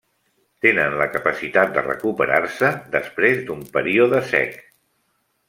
Tenen la capacitat de recuperar-se després d'un període sec.